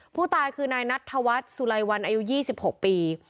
ผู้ตายคือนายนัทธวัฒน์สุไลวันอายุ๒๖ปี